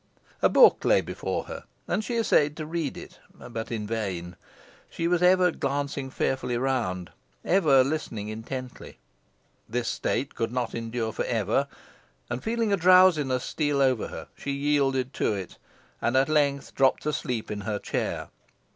A book lay before her, and she essayed to read it, but in vain. She was ever glancing fearfully round ever listening intently. This state could not endure for ever, and feeling a drowsiness steal over her she yielded to it, and at length dropped asleep in her chair.